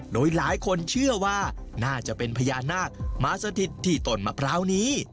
โดยหลายคนเชื่อว่าน่าจะเป็นพญานาคมาสถิตที่ต้นมะพร้าวนี้